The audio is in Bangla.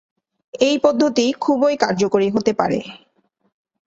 এই পদ্ধতি খুবই কার্যকরী হতে পারে।